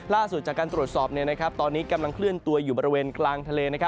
ล่าสุดจากการตรวจสอบตอนนี้กำลังเคลื่อนตัวอยู่บริเวณกลางทะเล